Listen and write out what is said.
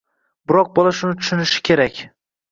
Biroq bola shuni tushunishi kerak.